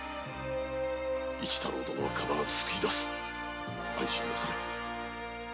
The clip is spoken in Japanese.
一太郎殿は必ず救い出す安心なされ。